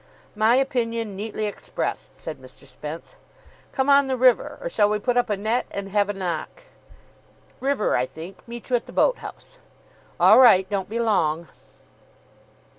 "My opinion neatly expressed," said Mr. Spence. "Come on the river. Or shall we put up a net, and have a knock?" "River, I think. Meet you at the boat house." "All right. Don't be long."